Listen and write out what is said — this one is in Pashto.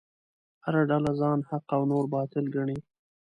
هره ډله ځان حق او نور باطل ګڼي.